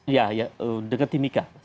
ya ya dengan timika